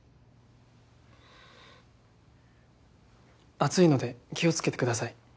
熱いので気をつけてください。